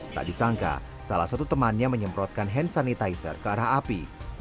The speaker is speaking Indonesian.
tak disangka salah satu temannya menyemprotkan hand sanitizer ke arah api